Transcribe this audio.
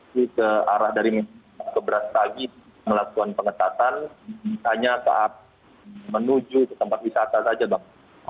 untuk ke arah dari keberastagi melakukan pengetatan hanya saat menuju ke tempat wisata saja bang